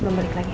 belum balik lagi